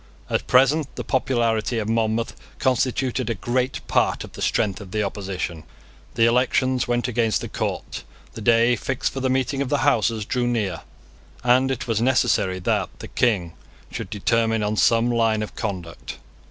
At present the popularity of Monmouth constituted a great part of the strength of the opposition. The elections went against the court: the day fixed for the meeting of the Houses drew near; and it was necessary that the King should determine on some line of conduct.